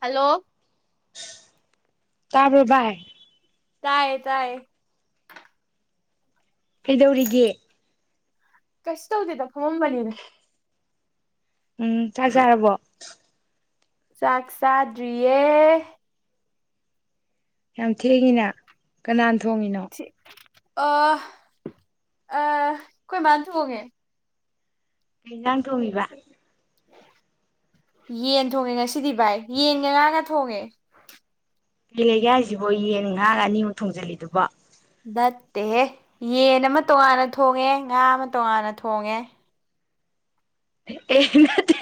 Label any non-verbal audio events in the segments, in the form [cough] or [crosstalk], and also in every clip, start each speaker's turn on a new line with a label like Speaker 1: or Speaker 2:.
Speaker 1: Hello
Speaker 2: ꯇꯥꯕ꯭ꯔ ꯕꯥꯏ꯫
Speaker 1: ꯇꯥꯌꯦ ꯇꯥꯌꯦ꯫
Speaker 2: ꯀꯩꯗꯧꯔꯤꯒꯦ
Speaker 1: ꯀꯩꯁꯨ ꯊꯧꯗꯦꯗ ꯐꯝꯃꯝꯕꯅꯤꯗ꯫
Speaker 2: ꯎꯝ ꯆꯥꯛꯆꯔꯥꯕꯣ
Speaker 1: ꯆꯥꯛ ꯆꯥꯗ꯭ꯔꯤꯌꯦ
Speaker 2: ꯌꯥꯝ ꯊꯦꯡꯉꯤꯅ ꯀꯅꯥ ꯊꯣꯡꯉꯤꯅꯣ
Speaker 1: ꯑ ꯑ ꯈꯣꯏ ꯃꯥꯅꯊꯣꯡꯉꯦ꯫
Speaker 2: ꯀꯩ ꯍꯤꯖꯥꯡ ꯊꯣꯡꯉꯤꯕ
Speaker 1: ꯌꯦꯟ ꯊꯣꯡꯉꯦ ꯉꯁꯤꯗꯤ ꯚꯥꯏ ꯌꯦꯟꯒ ꯉꯥꯒ ꯊꯣꯡꯉꯦ꯫
Speaker 2: ꯀꯩ ꯂꯩꯒꯦ ꯍꯥꯏꯁꯤꯕꯣ ꯌꯦꯟꯒ ꯉꯥꯒ ꯑꯅꯤꯃꯛ ꯊꯣꯡꯖꯤꯜꯂꯤꯗꯨꯕꯣ꯫
Speaker 1: ꯅꯠꯇꯦꯍꯦ ꯌꯦꯟ ꯑꯃ ꯇꯣꯉꯥꯟꯅ ꯊꯣꯡꯉꯦ ꯉꯥ ꯑꯃ ꯇꯣꯉꯥꯟꯅ ꯊꯣꯡꯉꯦ꯫
Speaker 2: ꯑꯦ ꯅꯠꯇꯦ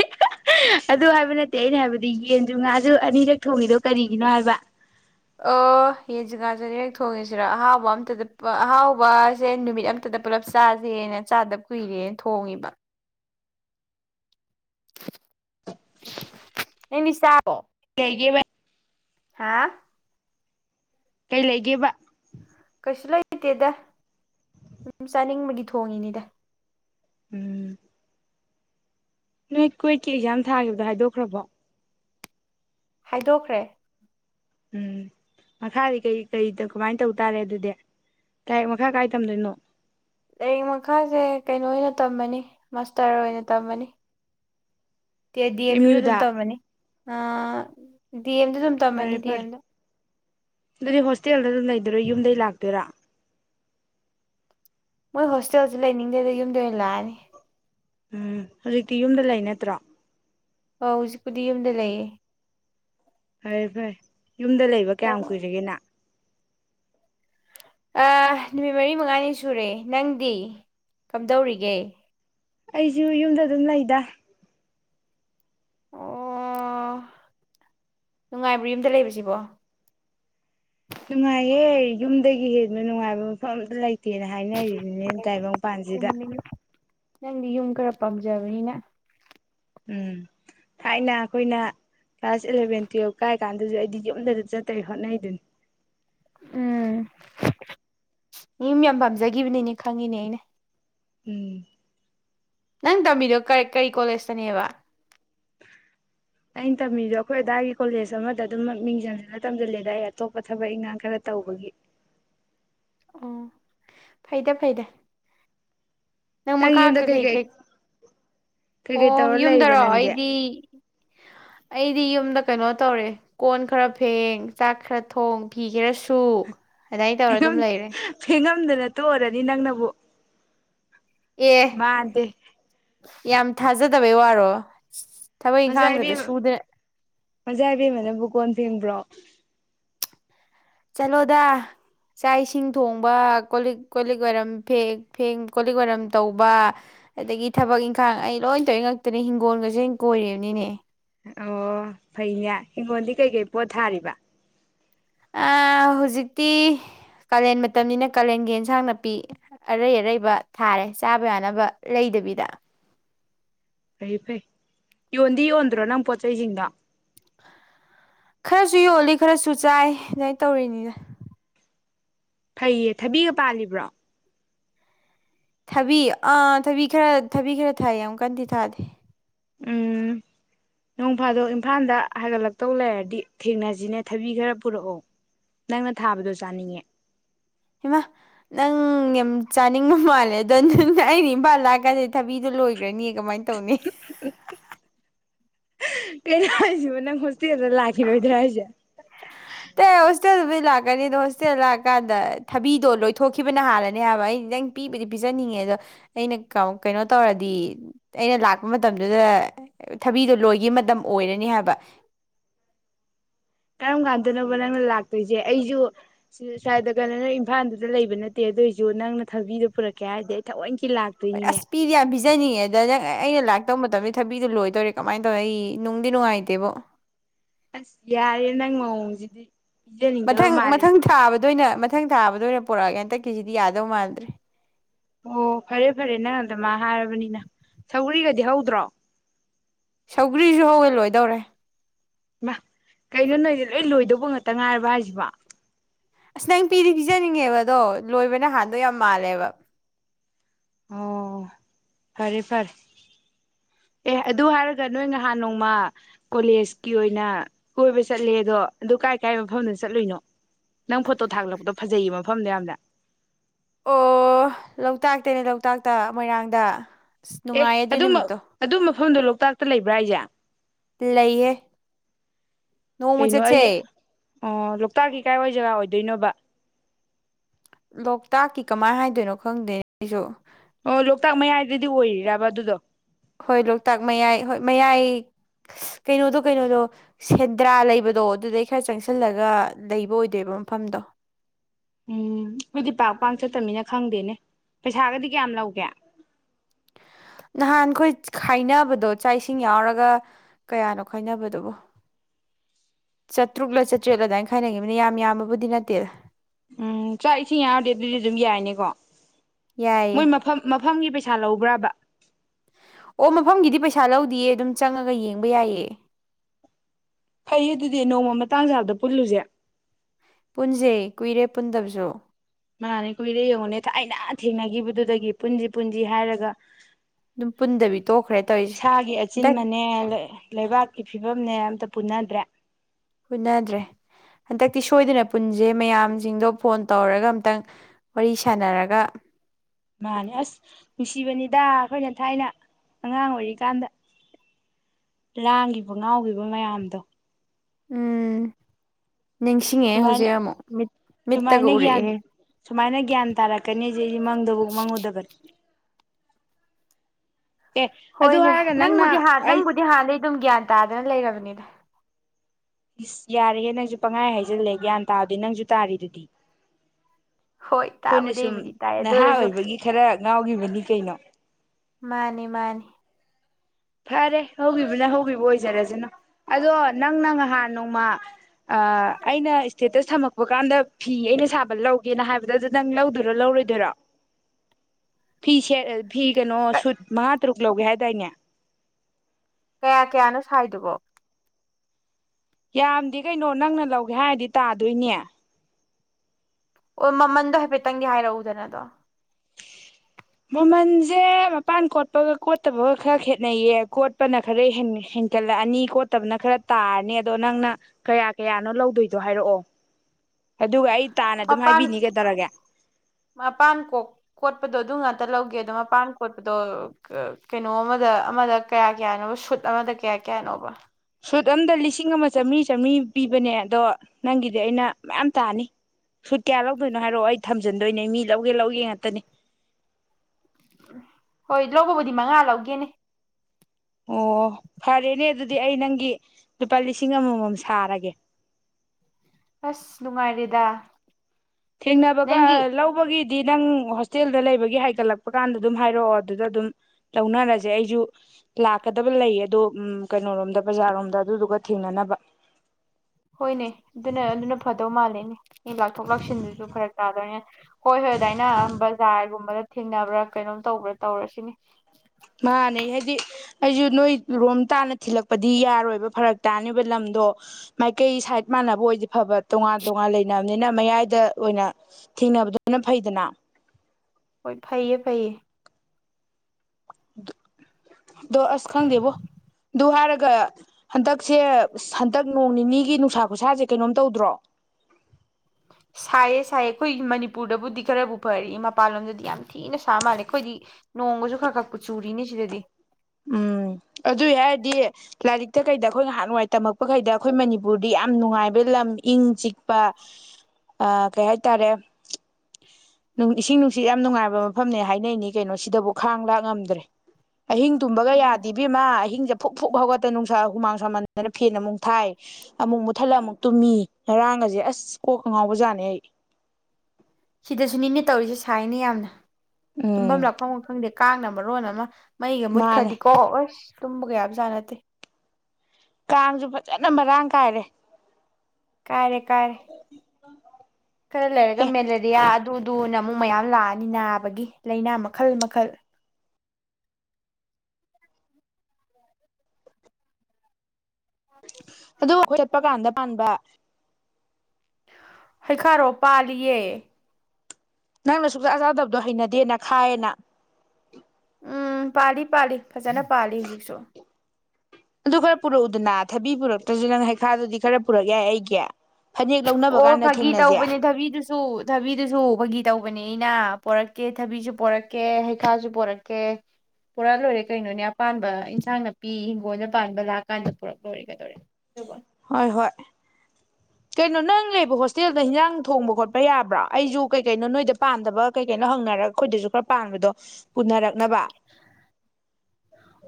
Speaker 2: ꯑꯗꯨ ꯍꯥꯏꯕ ꯅꯠꯇꯦ ꯑꯩꯅ ꯍꯥꯏꯕꯗꯤ ꯌꯦꯟꯁꯨ ꯉꯥꯁꯨ ꯑꯅꯤꯔꯛ ꯊꯣꯡꯉꯤꯗꯣ ꯀꯔꯤꯒꯤꯅꯣ ꯍꯥꯏꯕ꯫
Speaker 1: ꯑꯣ ꯌꯦꯟꯁꯨ ꯉꯥꯁꯨ ꯑꯅꯤꯃꯛ ꯊꯣꯡꯉꯤꯁꯤꯔꯣ ꯑꯍꯥꯎꯕ ꯑꯃꯇꯗ ꯑꯍꯥꯎꯕꯁꯦ ꯅꯨꯃꯤꯠ ꯑꯃꯠꯇꯗ ꯄꯨꯂꯞ ꯆꯥꯁꯦꯅ ꯆꯥꯗꯕ ꯀꯨꯏꯔꯦꯅ ꯊꯣꯡꯉꯤꯕ꯫ ꯅꯪꯗꯤ [unintelligible]
Speaker 2: [unintelligible]
Speaker 1: ꯍꯥꯥ
Speaker 2: ꯀꯩ ꯂꯩꯒꯦꯕ
Speaker 1: ꯀꯩꯁꯨ ꯂꯩꯇꯦꯗ ꯑꯗꯨꯝ ꯆꯥꯅꯤꯡꯕꯒꯤ ꯊꯣꯡꯉꯤꯅꯤꯗ꯫
Speaker 2: ꯎꯝ꯫ ꯅꯣꯏ ꯀ꯭ꯋꯦꯠꯀꯤ ꯑꯦꯛꯖꯥꯝ ꯊꯥꯈꯤꯕꯗꯣ ꯍꯥꯏꯗꯣꯛꯈ꯭ꯔꯕꯣ?
Speaker 1: ꯍꯥꯏꯗꯣꯛꯈ꯭ꯔꯦ꯫
Speaker 2: ꯎꯝ ꯃꯈꯥꯗꯤ ꯀꯩ ꯀꯔꯤ ꯀꯃꯥꯏꯅ ꯇꯧ ꯇꯥꯔꯦ ꯑꯗꯨꯗꯤ, ꯂꯥꯏꯔꯤꯛ ꯃꯈꯥ ꯀꯥꯏ ꯇꯝꯗꯣꯏꯅꯣ?
Speaker 1: ꯂꯥꯏꯔꯤꯛ ꯃꯈꯥꯁꯦ ꯀꯩꯅꯣ ꯑꯣꯏꯅ ꯇꯝꯃꯅꯤ ꯃꯥꯁꯇꯔ ꯑꯣꯏꯅ ꯇꯝꯃꯅꯤ꯫ [unintelligible]
Speaker 2: ꯑꯦꯝ
Speaker 1: ꯗꯤ_ꯑꯦꯝ_ꯌꯨ ꯗ ꯑꯗꯨꯝ
Speaker 2: ꯌꯨꯗ
Speaker 1: ꯇꯝꯃꯅꯤ꯫ ꯑꯥ꯫ ꯗꯤ_ꯑꯦꯝ ꯗ ꯑꯗꯨꯝ
Speaker 2: ꯐꯔꯦ
Speaker 1: ꯇꯝꯃꯅꯤ
Speaker 2: ꯐꯔꯦ
Speaker 1: ꯗꯤ_ꯑꯦꯝ ꯗ꯫
Speaker 2: ꯑꯗꯨꯗꯤ ꯍꯣꯁꯇꯦꯜ꯫ ꯑꯗ ꯑꯗꯨꯝ ꯂꯩꯗꯣꯏꯔ ꯌꯨꯝꯗꯩ ꯂꯥꯛꯇꯣꯏꯔꯥ꯫
Speaker 1: ꯃꯣꯏ ꯍꯣꯁꯇꯦꯜꯁꯦ ꯂꯩꯅꯤꯡꯗꯦꯗ ꯌꯨꯝꯗꯩ ꯑꯣꯏꯅ ꯂꯥꯛꯑꯅꯤ꯫
Speaker 2: ꯎꯝ ꯍꯧꯖꯤꯛꯇꯤ ꯌꯨꯝꯗ ꯂꯩ ꯅꯠꯇ꯭ꯔꯣ꯫
Speaker 1: ꯑꯧ ꯍꯧꯖꯤꯛꯄꯨꯗꯤ ꯌꯨꯝꯗ ꯂꯩꯌꯦ꯫
Speaker 2: ꯐꯔꯦ ꯐꯔꯦ꯫ ꯌꯨꯝꯗ ꯂꯩꯕ ꯀꯌꯥꯝ ꯀꯨꯏꯔꯒꯦ ꯅꯪ꯫
Speaker 1: ꯑ ꯅꯨꯃꯤꯠ ꯃꯔꯤ ꯃꯉꯥꯅꯤ ꯁꯨꯔꯦ ꯅꯪꯗꯤ ꯀꯝꯗꯧꯔꯤꯒꯦ꯫
Speaker 2: ꯑꯩꯁꯨ ꯌꯨꯝꯗ ꯑꯗꯨꯝ ꯂꯩꯗ꯫
Speaker 1: ꯑꯣ꯫ ꯅꯨꯡꯉꯥꯏꯕ꯭ꯔꯣ ꯌꯨꯝꯗ ꯂꯩꯕꯁꯤꯕꯣ꯫
Speaker 2: ꯅꯨꯡꯉꯥꯏꯌꯦ ꯌꯨꯝꯗꯒꯤ ꯍꯦꯟꯕ ꯅꯨꯡꯉꯥꯏꯕ ꯃꯐꯝ ꯑꯝꯇ ꯂꯩ꯫ ꯇꯦꯅ ꯍꯥꯏꯅꯔꯤꯗꯨꯅꯦ ꯇꯥꯏꯕꯪ ꯄꯥꯟꯁꯤꯗ꯫
Speaker 1: ꯅꯪꯗꯤ ꯌꯨꯝ ꯈꯔ ꯄꯥꯝꯖꯕꯅꯤꯅ꯫
Speaker 2: ꯎꯝ ꯊꯥꯏꯅ ꯑꯩꯈꯣꯏꯅ ꯀ꯭ꯂꯥꯁ ꯏꯂꯚꯦꯟ ꯇ꯭ꯋꯦꯜꯕ ꯀꯥꯏ ꯀꯥꯟꯗꯁꯨ ꯑꯩꯗꯤ ꯌꯨꯝꯗꯗ ꯆꯠꯇꯣꯏ ꯍꯣꯠꯅꯩꯗꯨꯅꯤ꯫
Speaker 1: ꯎꯝ ꯌꯨꯝ ꯌꯥꯝ ꯄꯥꯝꯖꯈꯤꯕꯅꯤꯅꯦ ꯈꯪꯉꯤꯅꯦ ꯑꯩꯅ꯫
Speaker 2: ꯎꯝ꯫
Speaker 1: ꯅꯪ ꯇꯝꯃꯤꯗꯣ ꯀ ꯀꯩ ꯀꯣꯂꯦꯖꯇꯅꯦꯕ꯫
Speaker 2: ꯑꯩꯅ ꯇꯝꯃꯤꯗꯣ ꯑꯈꯣꯏ ꯑꯗꯥꯏꯒꯤ ꯀꯣꯂꯦꯖ ꯑꯃꯗ ꯑꯗꯨꯝꯃꯛ ꯃꯤꯡ ꯆꯟꯖꯜꯂ ꯇꯝꯖꯜꯂꯦꯗ ꯑꯩ ꯑꯇꯣꯞꯄ ꯊꯕꯛ ꯏꯪꯈꯥꯡ ꯈꯔ ꯇꯧꯕꯒꯤ꯫
Speaker 1: ꯑꯣ ꯐꯩꯗ ꯐꯩꯗ꯫ ꯅꯪ ꯃꯈꯥ
Speaker 2: ꯌꯨꯝꯗ
Speaker 1: ꯀꯀꯩ
Speaker 2: ꯀꯩꯀꯩ
Speaker 1: ꯀꯩ
Speaker 2: ꯀꯩꯀꯩ
Speaker 1: ꯑꯣ
Speaker 2: ꯇꯧꯔ ꯂꯩꯔꯤꯕ
Speaker 1: ꯌꯨꯝꯗꯔꯣ
Speaker 2: ꯅꯪꯗꯤ
Speaker 1: ꯑꯩꯗꯤ ꯑꯩꯗꯤ ꯌꯨꯝꯗ ꯀꯩꯅꯣ ꯇꯧꯔꯦ ꯀꯣꯟ ꯈꯔ ꯐꯦꯡ ꯆꯥꯛ ꯈꯔ ꯊꯣꯡ ꯐꯤ ꯈꯔ ꯁꯨ ꯁꯨ ꯑꯗꯨꯃꯥꯏꯅ ꯇꯧꯔ ꯑꯗꯨꯝ ꯂꯩꯔꯦ꯫
Speaker 2: ꯉꯝꯗꯅ ꯇꯣꯛꯑꯔꯅꯤ ꯅꯪꯅꯕꯨ꯫
Speaker 1: ꯑꯦ
Speaker 2: ꯃꯥꯟꯗꯦ꯫
Speaker 1: ꯌꯥꯝ ꯊꯥꯖꯗꯕꯩ ꯋꯥꯔꯣ꯫ ꯊꯕꯛ
Speaker 2: ꯃꯖꯥ
Speaker 1: ꯏꯪꯈꯥꯡꯗꯗ
Speaker 2: ꯏꯕꯦꯝ
Speaker 1: ꯁꯨꯗꯅ
Speaker 2: ꯃꯖꯥ ꯏꯕꯦꯝꯃꯅꯕꯨ ꯀꯣꯟ ꯐꯦꯡꯕ꯭ꯔꯣ꯫ [unintelligible]
Speaker 1: ꯆꯠꯂꯣꯗ ꯆꯥꯛ ꯏꯁꯤꯡ ꯊꯣꯡꯕ ꯀꯣꯂꯤꯛ ꯀꯣꯂꯤꯛ ꯋꯥꯏꯔꯝ ꯐꯦꯡ ꯀꯣꯂꯤꯛ ꯋꯥꯏꯔꯝ ꯇꯧꯕ ꯑꯗꯒꯤ ꯊꯕꯛ ꯏꯟꯈꯥꯡ ꯑꯩ ꯂꯣꯏ ꯇꯢꯔꯤ ꯉꯥꯛꯇꯅꯤ ꯏꯪꯒꯣꯜꯀꯁꯦ ꯑꯩ ꯀꯣꯏꯔꯤꯃꯤꯅꯦ꯫
Speaker 2: ꯑꯣ ꯐꯩꯅꯦ ꯍꯤꯡꯒꯣꯜꯗꯤ ꯀꯩꯀꯩ ꯄꯣꯠ ꯊꯥꯔꯤꯕ꯫
Speaker 1: ꯑꯥ ꯍꯧꯖꯤꯛꯇꯤ ꯀꯥꯂꯦꯟ ꯃꯇꯝꯅꯤꯅ ꯀꯥꯂꯦꯟꯒꯤ ꯑꯦꯟꯁꯥꯡ ꯅꯥꯄꯤ ꯑꯔꯩ ꯑꯔꯩꯕ ꯊꯥꯔꯦ ꯆꯥꯕ ꯌꯥꯅꯕ ꯂꯩꯗꯕꯤꯗ꯫
Speaker 2: ꯐꯩ ꯐꯩ ꯌꯣꯟꯗꯤ ꯌꯣꯟꯗ꯭ꯔꯣ ꯅꯪ ꯄꯣꯠꯆꯩꯁꯤꯡꯗꯣ꯫
Speaker 1: ꯈꯔꯁꯨ ꯌꯣꯜꯂꯤ ꯈꯔꯁꯨ ꯆꯥꯏ ꯑꯗꯥꯏꯟ ꯇꯧꯔꯤꯅꯗꯥ꯫
Speaker 2: ꯐꯩꯌꯦ ꯊꯕꯤꯒ ꯄꯥꯜꯂꯤꯕ꯭ꯔꯣ꯫
Speaker 1: ꯊꯕꯤ ꯑꯥ ꯊꯕꯤ ꯈꯔ ꯊꯕꯤ ꯈꯔ ꯊꯥꯏ ꯌꯥꯝ ꯀꯟꯅꯗꯤ ꯊꯥꯗꯦ꯫
Speaker 2: ꯎꯝ ꯅꯣꯡ ꯐꯥꯗꯣꯛ ꯏꯝꯐꯥꯟꯗ ꯍꯥꯏꯒꯠꯂꯛꯇꯧ ꯂꯩꯔꯗꯤ ꯊꯦꯡꯅꯁꯤꯅꯦ ꯊꯕꯤ ꯈꯔ ꯄꯨꯔꯛꯑꯣ ꯅꯪꯅ ꯊꯥꯕꯗꯣ ꯆꯥꯅꯤꯡꯉꯦ꯫
Speaker 1: ꯏꯃꯥ ꯅꯪ ꯌꯥꯝ ꯆꯥꯅꯤꯡꯕ ꯃꯥꯜꯂꯦ ꯑꯗꯣ ꯅꯪꯅ ꯑꯩꯅ ꯏꯝꯐꯥꯜ ꯂꯥꯛꯀꯗꯤ ꯊꯕꯤꯗꯣ ꯂꯣꯏꯒ꯭ꯔꯅꯤꯌꯦ ꯀꯃꯥꯏ ꯇꯧꯅꯤ꯫
Speaker 2: ꯀꯩꯅꯣ ꯍꯥꯏꯁꯤꯕꯣ ꯅꯪ ꯍꯣꯁꯇꯦꯜꯗ ꯂꯥꯛꯈꯤꯔꯣꯏꯗ꯭ꯔꯥ ꯍꯥꯏꯁꯦ꯫
Speaker 1: [unintelligible] ꯇꯥꯕꯤ ꯂꯥꯛꯀꯅꯤꯗꯣ ꯍꯣꯁꯇꯦꯜ ꯂꯥꯛꯑꯀꯥꯟꯗ ꯊꯕꯤꯗꯣ ꯂꯣꯏꯊꯣꯛꯈꯤꯕꯅ ꯍꯥꯜꯂꯅꯤ ꯍꯥꯏꯕ ꯑꯩ ꯅꯪ ꯄꯤꯕꯗꯤ ꯄꯤꯖꯅꯤꯡꯉꯦ ꯑꯗꯣ ꯑꯩꯅ ꯀꯥꯎ ꯀꯩꯅꯣ ꯇꯧꯔꯗꯤ ꯑꯩꯅ ꯂꯥꯛꯄ ꯃꯇꯝꯗꯨꯗ ꯊꯕꯤꯗꯣ ꯂꯣꯏꯒꯤꯕ ꯃꯇꯝ ꯑꯣꯏꯔꯅꯤ ꯍꯥꯏꯕ꯫
Speaker 2: ꯀꯔꯝ ꯀꯥꯟꯗꯅꯣꯕ ꯅꯪꯅ ꯂꯥꯛꯇꯣꯏꯁꯦ ꯑꯩꯁꯨ ꯁ꯭ꯋꯥꯏꯗ ꯀꯩꯅꯣ ꯅ‌ꯣꯏ ꯏꯝꯐꯥꯜꯗꯨꯗ ꯂꯩꯕ ꯅꯠꯇꯦ ꯑꯗꯨꯏꯁꯨ ꯅꯪꯅ ꯊꯕꯤꯗꯣ ꯄꯨꯔꯛꯀꯦ ꯍꯥꯏꯔꯗꯤ ꯊꯑꯣ ꯀꯤ ꯂꯥꯛꯇꯣꯏꯅꯤꯅꯦ꯫
Speaker 1: ꯍꯥꯏꯖꯅꯤꯡꯉꯦ ꯑꯗ ꯅꯪ ꯑꯩꯅ ꯂꯥꯛꯇꯧ ꯃꯇꯝꯗ ꯊꯕꯤꯗꯨꯣ ꯂꯣꯏꯗꯧꯔꯦ ꯀꯃꯥꯏꯅ ꯇꯧꯔꯤ ꯑꯩ ꯅꯨꯡꯗꯤ ꯅꯨꯡꯉꯥꯏꯇꯦꯕꯣ꯫
Speaker 2: ꯑꯁ ꯌꯥꯔꯦ ꯅꯪ ꯃꯑꯣꯡꯖꯤꯗꯤ
Speaker 1: ꯃꯊꯪ ꯃꯊꯪ ꯊꯥꯕꯗ ꯑꯣꯏꯅ ꯃꯊꯪ ꯊꯥꯕꯗ ꯑꯣꯏꯅ ꯄꯨꯔꯛꯑꯒꯦ ꯍꯟꯗꯛꯀꯤꯁꯤꯗꯤ ꯌꯥꯗꯧ ꯃꯥꯟꯗ꯭ꯔꯦ꯫
Speaker 2: ꯑꯣ ꯐꯔꯦ ꯐꯔꯦ ꯅꯪ ꯑꯗꯨꯃꯥꯏ ꯍꯥꯏꯔꯕꯅꯤꯅ ꯁꯧꯒ꯭ꯔꯤ ꯒꯗꯤ ꯍꯧꯗ꯭ꯔꯣ꯫
Speaker 1: ꯁꯧꯒ꯭ꯔꯤꯁꯨ ꯍꯧꯋꯦ ꯂꯣꯏꯗꯧꯔꯦ꯫
Speaker 2: ꯍꯩꯃ ꯀꯩꯅꯣ ꯅꯣꯏꯗꯤ ꯂꯣꯏ ꯂꯣꯏꯗꯧꯕ ꯉꯥꯛꯇ ꯉꯥꯏꯔꯕ ꯍꯥꯏꯁꯤꯕꯣ꯫
Speaker 1: ꯑꯁ ꯅꯪ ꯄꯤꯗꯤ ꯄꯤꯖꯅꯤꯡꯉꯦꯕ ꯑꯗꯣ ꯂꯣꯏꯕꯅ ꯍꯥꯟꯅꯗꯣꯏ ꯌꯥꯝ ꯃꯥꯜꯂꯦꯕ꯫
Speaker 2: ꯑꯣ ꯐꯔꯦ ꯐꯔꯦ ꯑꯦ ꯑꯗꯨ ꯍꯥꯏꯔꯒ ꯅꯣꯏ ꯉꯍꯥꯟ ꯅꯣꯡꯃꯥ ꯀ‌ꯣꯂ‌ꯦꯁꯀꯤ ꯑ‌ꯣꯏꯅꯥ ꯀ‌ꯣꯏꯕꯥ ꯆꯠꯂ‌ꯦꯗ‌ꯣ ꯀꯥꯏ ꯀꯥꯏ ꯆꯠꯂ‌ꯨꯏꯅ‌ꯣ ꯅ‌ꯪ ꯐ‌ꯣꯇ‌ꯣ ꯊꯒꯠꯂꯛꯄꯗꯣ ꯐꯖꯩꯌꯦ ꯃꯐꯝꯗ‌ꯣ ꯌꯥꯝꯅꯥ
Speaker 1: ꯑꯣ ꯂꯣꯛꯇꯥꯛꯇꯅꯦ ꯂꯣꯛꯇꯥꯛꯇ ꯃꯣꯏꯔꯥꯡꯗ꯫ ꯑꯁ
Speaker 2: ꯑꯦ
Speaker 1: ꯅꯨꯡꯉꯥꯏꯌꯦ ꯑꯗꯨꯏ
Speaker 2: ꯑꯗꯨꯃꯛ
Speaker 1: ꯅꯨꯃꯤꯠꯇꯣ
Speaker 2: ꯑꯗꯨ ꯃꯐꯝꯗꯣ ꯂꯣꯛꯇꯥꯛ ꯂꯩꯕ꯭ꯔꯥ ꯍꯥꯏꯖꯦ꯫
Speaker 1: ꯂꯩꯏꯌꯦ ꯅꯣꯡꯃ
Speaker 2: ꯀꯩꯅꯣ
Speaker 1: ꯆꯠꯁꯦ꯫
Speaker 2: ꯑꯩ ꯑꯣ ꯂꯣꯛꯇꯥꯛꯀꯤ ꯀꯥꯏꯋꯥꯏ ꯖꯒꯥ ꯑꯣꯏꯗꯣꯏꯅꯣꯕ꯫
Speaker 1: ꯂꯣꯛꯇꯥꯛꯀꯤ ꯀꯃꯥꯏꯅ ꯍꯥꯏꯗꯣꯏꯅꯣ ꯈꯪꯗꯦ ꯑꯩꯁꯨ
Speaker 2: ꯑꯣ ꯂꯣꯛꯇꯥꯛ ꯃꯌꯥꯏꯗꯗꯤ ꯑꯣꯏꯔꯤꯔꯕ ꯑꯗꯨꯗꯣ꯫
Speaker 1: ꯍꯣꯏ ꯂꯣꯛꯇꯥꯛ ꯃꯌꯥꯏ ꯍꯣꯏ ꯃꯌꯥꯏ ꯀꯩꯅꯣꯗꯣ ꯀꯩꯅꯣꯗꯣ ꯁꯦꯟꯗ꯭ꯔꯥ ꯂꯩꯕꯗꯣ ꯑꯗꯨꯗꯩ ꯈꯔ ꯆꯪꯁꯤꯜꯂꯒ ꯂꯩꯕ ꯑꯣꯏꯗꯣꯏꯕ ꯃꯐꯝꯗꯣ꯫
Speaker 2: ꯎꯝ ꯑꯩꯗꯤ ꯄꯥꯛ ꯄꯥꯛ ꯆꯠꯇꯝꯅꯤꯅ ꯈꯪꯗꯦꯅꯦ ꯄꯩꯁꯥꯒꯗꯤ ꯀꯌꯥꯝ ꯂꯧꯒꯦ
Speaker 1: ꯅꯍꯥꯟꯈꯣꯏ ꯈꯥꯏꯅꯕꯗꯣ ꯆꯥꯛ ꯏꯁꯤꯡ ꯌꯥꯎꯔꯒ ꯀꯌꯥꯅꯣ ꯈꯥꯏꯅꯕꯗꯨꯕꯨ ꯆꯥꯇ꯭ꯔꯨꯛꯂ ꯆꯥꯇ꯭ꯔꯦꯠꯂ ꯑꯗꯨꯃꯥꯏ ꯈꯥꯏꯅꯒꯤꯝꯅꯦ ꯌꯥꯝ ꯌꯥꯝꯕꯕꯨꯗꯤ ꯅꯠꯇꯦꯗ꯫
Speaker 2: ꯎꯝ ꯆꯥꯛ ꯏꯁꯤꯡ ꯌꯥꯎꯔꯗꯦ ꯑꯗꯨꯗꯤ ꯑꯗꯨꯝ ꯌꯥꯏꯅꯤꯀꯣ
Speaker 1: ꯌꯥꯏꯌꯦ
Speaker 2: ꯃꯣꯏ ꯃꯐꯝ ꯃꯥ ꯃꯐꯝꯒꯤ ꯄꯩꯁꯥ ꯂꯧꯕ꯭ꯔꯕꯥ꯫
Speaker 1: ꯑꯣ ꯃꯐꯝꯒꯤꯗꯤ ꯄꯩꯁꯥ ꯂꯧꯗꯌꯦ ꯑꯗꯨꯝ ꯆꯪꯉꯒ ꯌꯦꯡꯕ ꯌꯥꯏꯌꯦ꯫
Speaker 2: ꯐꯩꯌꯦ ꯑꯗꯨꯗꯤ ꯅꯣꯡꯃ ꯃꯇꯥꯡ ꯆꯥꯕꯗ ꯄꯨꯜꯂꯨꯖꯦ꯫
Speaker 1: ꯄꯨꯟꯖꯦ ꯀꯨꯏꯔꯦ ꯄꯨꯟꯗꯕꯁꯨ꯫
Speaker 2: ꯃꯥꯅꯦ ꯀꯨꯏꯔꯦ ꯌꯦꯡꯉꯨꯅꯦ ꯊꯥꯏꯅ ꯊꯦꯡꯅꯒꯤꯕꯗꯨꯗꯒꯤ ꯄꯨꯟꯖꯤ ꯄꯨꯟꯖꯤ ꯍꯥꯏꯔꯒ
Speaker 1: ꯑꯗꯨꯝ ꯄꯨꯟꯗꯕꯤ ꯇꯣꯛꯈ꯭ꯔꯦ ꯇꯧꯔꯤꯁꯦ
Speaker 2: ꯏꯁꯥꯒꯤ
Speaker 1: ꯍꯟꯗꯛ
Speaker 2: ꯑꯆꯤꯟꯕꯅꯦ ꯂꯩ ꯂꯩꯕꯥꯛ ꯐꯤ ꯐꯤꯕꯝꯅꯦ ꯑꯝꯇ ꯄꯨꯟꯅꯗ꯭ꯔꯦ
Speaker 1: ꯄꯨꯅꯗ꯭ꯔꯦ ꯍꯟꯗꯛꯇꯤ ꯁꯣꯏꯗꯅ ꯄꯨꯟꯖꯦ ꯃꯌꯥꯝꯖꯤꯡꯗꯣ ꯐꯣꯟ ꯇꯧꯔꯒ ꯑꯝꯇꯪ ꯋꯥꯔꯤ ꯁꯥꯟꯅꯔꯒ꯫
Speaker 2: ꯃꯥꯅꯦ ꯑꯁ ꯅꯨꯡꯁꯤꯕꯅꯤꯗ ꯑꯩꯈꯣꯏꯅ ꯊꯥꯏꯅ ꯑꯉꯥꯡ ꯑꯣꯏꯔꯤꯀꯥꯟꯗ ꯂꯥꯡꯒꯤꯕ ꯉꯥꯎꯒꯤꯕ ꯃꯌꯥꯝꯗꯣ꯫
Speaker 1: ꯎꯝ꯫ ꯅꯤꯡꯁꯤꯡꯉꯛꯑꯦ
Speaker 2: ꯁꯨꯃꯥꯏꯅ
Speaker 1: ꯍꯧꯖꯤꯛ ꯑꯃꯨꯛ ꯃꯤꯠ ꯃꯤꯠꯇꯒ
Speaker 2: ꯁꯨꯃꯥꯏꯅ ꯒ꯭ꯌꯥꯟ
Speaker 1: ꯎꯔꯛꯑꯦ
Speaker 2: ꯁꯨꯃꯥꯏꯅ ꯒ꯭ꯌꯥꯟ ꯇꯥꯔꯛꯀꯅꯦꯖꯦ ꯑꯩꯖꯤ ꯃꯪꯗꯕꯧ ꯃꯪꯉꯨꯗꯕꯅꯤ꯫ ꯑꯦ ꯑꯗꯨ
Speaker 1: ꯍꯣꯏꯅꯦ
Speaker 2: ꯍꯥꯏꯔꯒ ꯅꯪꯅ
Speaker 1: ꯅꯪꯕꯨꯗꯤ ꯍꯥꯟ
Speaker 2: ꯑꯩ
Speaker 1: ꯅꯪꯕꯨꯗꯤ ꯍꯥꯟꯅꯗꯩ ꯗꯨꯝ ꯒ꯭ꯌꯥꯟ ꯇꯥꯗꯅ ꯂꯩꯔꯕꯅꯤꯗ꯫
Speaker 2: ꯏꯁ ꯌꯥꯔꯦꯍꯦ ꯅꯪꯖꯨ ꯄꯪꯍꯥꯏ ꯍꯥꯏꯖꯤꯜꯂꯦ ꯒ꯭ꯌꯥꯟ ꯇꯥꯗꯤ ꯅꯪꯖꯨ ꯇꯥꯔꯤꯗꯨꯗꯤ꯫
Speaker 1: ꯍꯣꯏ
Speaker 2: ꯑꯈꯣꯏꯅ
Speaker 1: ꯇꯥꯕꯨꯗꯤ
Speaker 2: ꯁꯨꯝ
Speaker 1: ꯑꯩꯕꯨꯗꯤ ꯇꯥꯏ ꯑꯗꯨ
Speaker 2: ꯅꯍꯥ
Speaker 1: ꯑꯣꯏꯔꯁꯨ
Speaker 2: ꯑꯣꯏꯕꯒꯤ ꯈꯔ ꯉꯥꯎꯒꯤꯕꯅꯤ ꯀꯩꯅꯣ꯫
Speaker 1: ꯃꯥꯅꯦ ꯃꯥꯅꯦ꯫
Speaker 2: ꯐꯔꯦ ꯍꯧꯒꯤꯕꯅ ꯍꯧꯒꯤꯕ ꯑꯣꯏꯖꯔꯖꯅꯨ ꯑꯗꯣ ꯅꯪꯅ ꯉꯍꯥꯟ ꯅꯣꯡꯃ ꯑꯥ ꯑꯩꯅ ꯁꯇꯦꯇꯁ ꯊꯃꯛꯄꯀꯥꯟꯗ ꯐꯤ ꯑꯩꯅ ꯁꯥꯕ ꯂꯧꯒꯦꯅ ꯍꯥꯏꯕꯗꯣ ꯑꯗꯨ ꯅꯪ ꯂꯧꯗꯣꯏꯔꯣ ꯂꯧꯔꯣꯏꯗꯣꯏꯔꯣ ꯐꯤ ꯁꯦꯑꯦ ꯐꯤ ꯀꯩꯅꯣ ꯁꯨꯠ ꯃꯥ ꯇ꯭ꯔꯨꯛ ꯂꯧꯒꯦ ꯍꯥꯏꯗꯥꯏꯅꯦ꯫
Speaker 1: ꯀꯌꯥ ꯀꯌꯥꯅꯣ ꯁꯥꯔꯤꯗꯨꯕꯣ꯫
Speaker 2: ꯌꯥꯝꯗꯦ ꯀꯩꯅꯣ ꯅꯪꯅ ꯂꯧꯒꯦ ꯍꯥꯏꯔꯗꯤ ꯇꯥꯗꯣꯏꯅꯦ꯫
Speaker 1: ꯑꯣ ꯃꯃꯟꯗꯣ ꯍꯥꯏꯐꯦꯠꯇꯪꯗꯤ ꯍꯥꯏꯔꯛꯎꯗꯅ ꯑꯗꯣ꯫
Speaker 2: ꯃꯃꯟꯁꯦ ꯃꯄꯥꯟ ꯀꯣꯠꯄꯒ ꯀꯣꯠꯇꯕꯒ ꯈꯔ ꯈꯦꯅꯩꯌꯦ ꯀꯣꯠꯄꯅ ꯈꯔ ꯍꯦꯟ ꯍꯦꯟꯀꯠꯂꯛꯑꯅꯤ ꯀꯣꯠꯇꯕꯅ ꯈꯔ ꯇꯥꯔꯅꯤ ꯑꯗꯣ ꯅꯪꯅ ꯀꯌꯥ ꯀꯌꯥꯅꯣ ꯂꯧꯗꯣꯏꯗꯣ ꯍꯥꯏꯔꯛꯑꯣ꯫ ꯑꯗꯨꯒ ꯑꯩ ꯇꯥꯅ ꯑꯗꯨꯝ
Speaker 1: ꯃꯄꯥꯟ
Speaker 2: ꯍꯥꯏꯕꯤꯅꯤ ꯀꯩꯗꯧꯔꯒꯦ꯫
Speaker 1: ꯃꯄꯥꯟ ꯀꯣꯛ ꯀꯣꯠꯄꯗꯣ ꯑꯗꯨ ꯉꯥꯛꯇ ꯂꯧꯒꯦ ꯑꯗꯣ ꯃꯄꯥꯟ ꯀꯣꯠꯄꯗꯣ ꯀꯩꯅꯣ ꯑꯃꯗ ꯑꯃꯗ ꯀꯌꯥ ꯀꯌꯥꯅꯣꯕ ꯁꯨꯠ ꯑꯃꯗ ꯀꯌꯥ ꯀꯌꯥꯅꯣꯕ꯫
Speaker 2: ꯁꯨꯠ ꯑꯝꯗ ꯂꯤꯁꯤꯡ ꯑꯃ ꯆꯥꯃ꯭ꯔꯤ ꯆꯥꯃ꯭ꯔꯤ ꯄꯤꯕꯅꯦ ꯑꯗꯣ ꯅꯪꯒꯤꯗꯤ ꯑꯩꯅ ꯃꯌꯥꯝ ꯇꯥꯅꯤ ꯁꯨꯠ ꯀꯌꯥ ꯂꯧꯗꯣꯏꯅꯣ ꯍꯥꯏꯔꯛꯑꯣ ꯑꯩ ꯊꯝꯖꯟꯗꯣꯏꯅꯦ ꯃꯤ ꯂꯧꯒꯦ ꯂꯧꯒꯦ ꯉꯥꯇꯅꯤ꯫
Speaker 1: ꯍꯣꯏ ꯂꯧꯕꯕꯨꯗꯤ ꯃꯉꯥ ꯂꯧꯒꯦꯅꯦ꯫
Speaker 2: ꯑꯣ ꯐꯥꯔꯦꯅꯦ ꯑꯗꯨꯗꯤ ꯑꯩ ꯅꯪꯒꯤ ꯂꯨꯄꯥ ꯂꯤꯁꯤꯡ ꯑꯃꯃꯝ ꯁꯥꯔꯒꯦ꯫
Speaker 1: ꯑꯁ ꯅꯨꯡꯉꯥꯏꯔꯦꯗ꯫
Speaker 2: ꯊꯦꯡꯅꯕꯒ
Speaker 1: ꯅꯪꯒꯤ
Speaker 2: ꯑ ꯂꯧꯕꯒꯤ ꯗꯤ ꯅꯪ ꯍꯣꯁꯇꯦꯜꯗ ꯂꯩꯕꯒꯤ ꯍꯥꯏꯒꯠꯂꯛꯄ ꯀꯥꯟꯗꯨꯗ ꯗꯨꯝ ꯍꯥꯏꯔꯛꯑꯣ ꯑꯗꯨꯗ ꯑꯗꯨꯝ ꯂꯧꯅꯔꯁꯦ ꯑꯩꯖꯨ ꯂꯥꯛꯀꯗꯕ ꯂꯩꯌꯦ ꯑꯗꯣ ꯎꯝ ꯀꯩꯅꯣꯔꯣꯝꯗ ꯕꯖꯥꯔꯣꯝꯗ ꯑꯗꯨꯗꯨꯒ ꯊꯦꯡꯅꯅꯕ꯫
Speaker 1: ꯍꯣꯏꯅꯦ ꯑꯗꯨꯅ ꯑꯗꯨꯅ ꯐꯗꯧ ꯃꯥꯜꯂꯦꯅꯦ꯫ ꯃꯤ ꯂꯥꯛꯊꯣꯛ ꯂꯥꯎꯁꯤꯟꯗꯨꯁꯨ ꯐꯔꯛ ꯇꯥꯗꯣꯏꯅꯦ ꯍꯣꯏ ꯍꯣꯏ ꯑꯗꯥꯏꯅ ꯎꯝ ꯕꯖꯥꯔꯒꯨꯝꯕꯗ ꯊꯦꯡꯅꯕ꯭ꯔ ꯀꯩꯅꯣꯝ ꯇꯧꯕ꯭ꯔ ꯇꯧꯔꯁꯤꯅꯦ꯫
Speaker 2: ꯃꯥꯥꯅꯦ ꯍꯥꯏꯗꯤ ꯑꯩꯖꯨ ꯅꯣꯏ ꯂꯣꯝ ꯇꯥꯅ ꯊꯤꯜꯂꯛꯄꯗꯤ ꯌꯥꯔꯣꯏꯕ ꯐꯔꯛ ꯇꯥꯅꯦꯕ ꯂꯝꯗꯣ ꯃꯥꯏꯀꯩ ꯁꯥꯏꯠ ꯃꯥꯟꯅꯕ ꯑꯣꯏꯔꯗꯤ ꯐꯕ꯫ ꯇꯣꯉꯥꯟ ꯇꯣꯉꯥꯜ ꯂꯩꯅ ꯅꯤꯅ ꯃꯌꯥꯏꯗ ꯑꯣꯏꯅ ꯊꯦꯡꯅꯕꯗꯨꯅ ꯐꯩꯗꯅ꯫
Speaker 1: ꯍꯣꯏ ꯐꯩꯌꯦ ꯐꯩꯌꯦ
Speaker 2: ꯗꯣ ꯗꯣ ꯑꯁ ꯈꯪꯗꯦꯕꯣ ꯑꯗꯨ ꯍꯥꯏꯔꯒ ꯍꯟꯗꯛꯁꯦ ꯏꯁ ꯍꯟꯗꯛ ꯅꯣꯡ ꯅꯤꯅꯤꯒꯤ ꯅꯨꯡꯁꯥ ꯈꯨꯁꯥꯁꯦ ꯀꯩꯅꯣꯝ ꯇꯧꯗ꯭ꯔꯣ꯫
Speaker 1: ꯁꯥꯏꯌꯦ ꯁꯥꯏꯌꯦ ꯑꯩꯈꯣꯏ ꯃꯅꯤꯄꯨꯔꯗꯕꯨꯗꯤ ꯈꯔꯕꯨ ꯐꯔꯤꯌꯦ ꯃꯄꯥꯟꯂꯣꯝꯗꯗꯤ ꯌꯥꯝ ꯊꯤꯅ ꯁꯥ ꯃꯥꯜꯂꯦ ꯑꯩꯈꯣꯏꯗꯤ ꯅꯣꯡꯒꯁꯨ ꯈꯔ ꯈꯔꯄꯨ ꯆꯨꯔꯤꯅꯦ ꯁꯤꯗꯗꯤ꯫
Speaker 2: ꯇꯥ ꯀꯩꯗ ꯑꯩꯈꯣꯏ ꯉꯍꯥꯟ ꯋꯥꯏ ꯇꯃꯛꯄ ꯈꯩꯗ ꯑꯩꯈꯣꯏ ꯃꯅꯤꯄꯨꯔꯗꯤ ꯌꯥꯝ ꯅꯨꯡꯉꯥꯏꯕ ꯂꯝ ꯏꯪ ꯆꯤꯛꯄ ꯑꯥ ꯀꯩ ꯍꯥꯏꯇꯥꯔꯦ ꯏꯁꯤꯡ ꯅꯨꯡꯁꯤꯠ ꯌꯥꯝ ꯅꯨꯡꯉꯥꯏꯕ ꯃꯐꯝꯅꯦ ꯍꯥꯏꯅꯩꯅꯤ ꯀꯩꯅꯣ ꯁꯤꯗꯕꯣꯛ ꯈꯥꯡ ꯂꯥꯛ ꯉꯝꯗ꯭ꯔꯦ꯫ ꯇꯨꯝꯕꯒ
Speaker 1: ꯑꯗꯨ
Speaker 2: ꯌꯥꯗꯦ ꯏꯕꯦꯝꯃ ꯑꯍꯤꯡ ꯖꯦ ꯐꯨꯛ ꯐꯨꯛ ꯍꯧꯒꯠꯇꯅ ꯅꯨꯡꯁꯥ ꯍꯨꯃꯥꯡ ꯁꯧꯃꯟꯗꯅ ꯐꯦꯟ ꯑꯃꯨꯛ ꯊꯥꯏ ꯑꯃꯨꯛ ꯃꯨꯊꯠꯂ ꯑꯃꯨꯛ ꯇꯨꯝꯃꯤ ꯉꯔꯥꯡꯒꯁꯦ ꯑꯁ ꯀꯣꯛꯀ ꯉꯥꯎꯕꯖꯥꯟꯅꯦ ꯑꯩ꯫
Speaker 1: ꯁꯤꯗꯁꯨꯅꯤꯅꯦ ꯇꯧꯔꯤꯁꯦ ꯁꯥꯏꯅꯦ ꯌꯥꯝꯅ꯫ ꯇꯨꯝꯕꯝ
Speaker 2: ꯎꯝ
Speaker 1: ꯂꯥꯛꯐꯝꯒ ꯈꯪꯗꯦ꯫ ꯀꯥꯡꯅ ꯃꯔꯣꯟ ꯑꯃ ꯃꯩꯒ
Speaker 2: ꯃꯥꯅꯦ
Speaker 1: ꯃꯨꯠꯈ꯭ꯔꯗꯤꯀꯣ ꯑꯁ ꯇꯨꯝꯕꯒ ꯌꯥꯕꯖꯥꯠ ꯅꯠꯇꯦ
Speaker 2: ꯀꯥꯡꯁꯨ ꯐꯖꯅ ꯃꯔꯥꯡ ꯀꯥꯏꯔꯦ
Speaker 1: ꯀꯥꯏꯔꯦ ꯀꯥꯏꯔꯦ
Speaker 2: [inaudible]
Speaker 1: ꯈꯔ ꯂꯩꯔꯒ
Speaker 2: ꯑꯦ
Speaker 1: ꯃꯦꯂꯔꯤꯌꯥ ꯑꯗꯨꯗꯨꯅ ꯑꯃꯨꯛ ꯃꯌꯥꯝ ꯂꯥꯛꯑꯅꯤ ꯅꯥꯕꯒꯤ ꯂꯩꯅꯥ ꯃꯈꯜ ꯃꯈꯜ
Speaker 2: ꯑꯗꯨ ꯆꯠꯄ ꯀꯥꯟꯗ ꯄꯥꯟꯕ
Speaker 1: ꯍꯩꯈꯥꯔꯣ ꯄꯥꯜꯂꯤꯌꯦ
Speaker 2: ꯅꯪꯅ ꯁꯨꯡꯆꯥ ꯆꯥꯗꯕꯗꯣ ꯍꯩꯅꯗꯦꯅ ꯈꯥꯏꯌꯦꯅ
Speaker 1: ꯎꯝ ꯄꯥꯜꯂꯤ ꯄꯥꯜꯂꯤ ꯐꯖꯅ ꯄꯥꯜꯂꯤ ꯍꯧꯖꯤꯛꯁꯨ
Speaker 2: ꯑꯗꯨ ꯈꯔ ꯄꯨꯔꯛꯎꯗꯅ ꯊꯕꯤ ꯄꯨꯔꯛꯇ꯭ꯔꯁꯨ ꯅꯪ ꯍꯩꯈꯥꯗꯨꯗꯤ ꯈꯔ ꯄꯨꯔꯛ ꯌꯥꯏ ꯑꯩꯒꯤ ꯐꯅꯦꯛ ꯂꯧꯅꯕ
Speaker 1: ꯑꯣ
Speaker 2: ꯀꯥꯟꯗ
Speaker 1: ꯐꯥꯒꯤ
Speaker 2: ꯊꯦꯡꯅꯁꯦ
Speaker 1: ꯇꯧꯕꯅꯦ ꯊꯕꯤꯗꯨꯁꯨ ꯊꯕꯤꯗꯨꯁꯨ ꯐꯥꯒꯤ ꯇꯧꯕꯅꯦ ꯑꯩꯅ ꯄꯣꯔꯛꯀꯦ ꯊꯕꯤꯁꯨ ꯄꯣꯔꯛꯀꯦ ꯍꯩꯈꯥꯁꯨ ꯄꯣꯔꯛꯀꯦ ꯄꯨꯔꯛꯑ ꯂꯣꯏꯔꯦ ꯀꯩꯅꯣꯅꯦ ꯑꯄꯥ ꯏꯟꯁꯥꯡ ꯅꯥꯄꯤ ꯍꯤꯡꯒꯣꯜꯗ ꯄꯥꯟꯕ ꯂꯥꯛꯑꯀꯥꯟꯗ ꯄꯨꯔꯛꯂꯣꯏꯔꯦ ꯀꯗꯧꯔꯦ ꯑꯗꯨꯕꯣ
Speaker 2: ꯍꯣꯏ ꯍꯣꯏ ꯀꯩꯅꯣ ꯅꯪ ꯂꯩꯕ ꯍꯣꯁꯇꯦꯜꯗ ꯍꯤꯟꯖꯥꯡ ꯊꯣꯡꯕ ꯈꯣꯠꯄ ꯌꯥꯕ꯭ꯔꯣ ꯑꯩꯁꯨ ꯀꯩ ꯀꯩꯅꯣ ꯅꯣꯏꯗ ꯄꯥꯟꯗꯕ ꯀꯩ ꯀꯩꯅꯣ ꯍꯪꯅꯔꯒ ꯑꯈꯣꯏꯗꯁꯨ ꯈꯔ ꯄꯥꯟꯕꯗꯣ ꯄꯨꯅꯔꯛ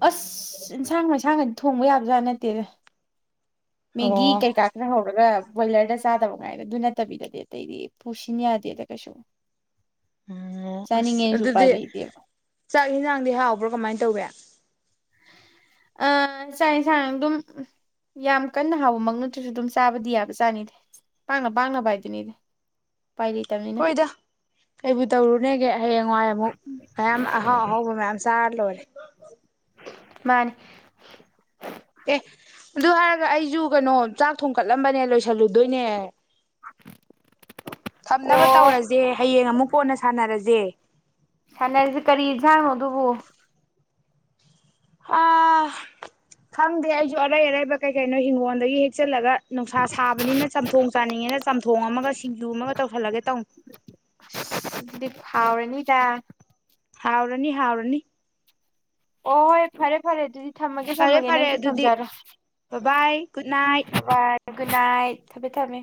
Speaker 1: ꯑꯁ ꯏꯟꯁꯥꯡ ꯃꯩꯁꯥꯡꯒꯗꯤ ꯊꯣꯡꯕ ꯌꯥꯝꯕꯖꯥꯠ ꯅꯠꯇꯦꯗ ꯃꯦꯒꯤ
Speaker 2: ꯑꯣ
Speaker 1: ꯀꯩꯀꯥ ꯈ꯭ꯔ ꯍꯧꯔꯒ ꯕꯣꯏꯂꯔꯗ ꯆꯥꯗꯕ ꯉꯥꯏꯗ ꯑꯗꯨ ꯅꯠꯇꯕꯤꯗꯗꯤ ꯑꯇꯩꯗꯤ ꯄꯨꯁꯤꯟ ꯌꯥꯗꯦꯗ ꯀꯩꯁꯨ
Speaker 2: ꯑꯣ ꯑꯁ
Speaker 1: ꯆꯥꯅꯤꯡꯉꯦꯁꯨ ꯎꯄꯥꯏ
Speaker 2: ꯑꯗꯨꯗꯤ
Speaker 1: ꯂꯩꯇꯦꯕ
Speaker 2: ꯆꯥꯛ ꯌꯦꯟꯁꯥꯡꯗꯤ ꯍꯥꯎꯕ꯭ꯔꯣ ꯀꯃꯥꯏꯅ ꯇꯧꯋꯦ꯫
Speaker 1: ꯑ ꯆꯥꯛ ꯌꯦꯟꯁꯥꯡ ꯑꯗꯨꯝ ꯌꯥꯝ ꯀꯟꯅ ꯍꯥꯎꯕꯃꯛ ꯅꯠꯇ꯭ꯔꯁꯨ ꯑꯗꯨꯝ ꯆꯥꯕꯗꯤ ꯌꯥꯕ ꯖꯥꯠꯅꯤꯗ ꯄꯥꯡꯅ ꯄꯥꯡꯅꯕ ꯍꯥꯏꯗꯨꯅꯤꯗ ꯎꯄꯥꯏ ꯂꯩꯇꯕꯅꯤꯅ
Speaker 2: ꯍꯣꯏꯗ ꯀꯩꯕꯨ ꯇꯧꯔꯨꯅꯦꯒꯦ ꯍꯌꯦꯡꯋꯥꯏ ꯑꯃꯨꯛ ꯃꯌꯥꯝ ꯑꯍꯥꯎ ꯑꯍꯥꯎꯕ ꯃꯌꯥꯝ ꯆꯥꯔ ꯂꯣꯏꯔꯦ
Speaker 1: ꯃꯥꯅꯤ
Speaker 2: ꯑꯦ ꯑꯗꯨ ꯍꯥꯏꯔꯒ ꯑꯩꯁꯨ ꯀꯩꯅꯣ ꯆꯥꯛ ꯊꯣꯡ ꯀꯠꯂꯝꯕꯅꯦ ꯂꯣꯏꯁꯜꯂꯨꯗꯣꯏꯅꯦ ꯊꯝꯅꯕ
Speaker 1: ꯑꯣ
Speaker 2: ꯇꯧꯔꯁꯦ ꯍꯌꯦꯡ ꯑꯃꯨꯛ ꯀꯣꯟꯅ ꯁꯥꯟꯅꯔꯁꯦ
Speaker 1: ꯁꯥꯟꯅꯔꯤꯁꯦ ꯀꯔꯤ ꯏꯟꯖꯥꯡꯅꯣ ꯑꯗꯨꯕꯨ
Speaker 2: ꯑ ꯈꯪꯗꯦ ꯑꯩꯁꯨ ꯑꯔꯩ ꯑꯔꯩꯕ ꯀꯩ ꯀꯩꯅꯣ ꯍꯤꯡꯒꯣꯜꯗꯒꯤ ꯍꯦꯛꯆꯜꯂꯒ ꯅꯨꯡꯁꯥ ꯁꯥꯕꯅꯤꯅ ꯆꯝꯊꯣꯡ ꯆꯥꯅꯤꯡꯉꯦꯅ ꯆꯝꯊꯣꯡ ꯑꯃꯒ ꯁꯤꯡꯖꯨ ꯑꯃꯒ ꯇꯧꯁꯤꯜꯂꯒꯦ ꯇꯧꯅꯤ
Speaker 1: ꯑ
Speaker 2: ꯍꯥꯎꯔꯅꯤ ꯍꯥꯎꯔꯅꯤ꯫
Speaker 1: ꯑꯣ ꯍꯣꯏ ꯐꯔꯦ ꯐꯔꯦ ꯑꯗꯨꯗꯤ ꯊꯝꯃꯒꯦ
Speaker 2: ꯐꯔꯦ
Speaker 1: ꯊꯝꯃꯒꯦ
Speaker 2: ꯐꯔꯦ
Speaker 1: ꯅꯪꯁꯨ
Speaker 2: ꯑꯗꯨꯗꯤ
Speaker 1: ꯊꯝꯖꯔꯣ
Speaker 2: ꯕꯕꯥꯏ ꯒꯨꯗ ꯅꯥꯏꯠ
Speaker 1: ꯕꯕꯥꯏ ꯒꯨꯗ ꯅꯥꯏꯠ ꯊꯝꯃꯦ ꯊꯝꯃꯦ꯫